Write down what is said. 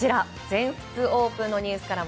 全仏オープンのニュースから。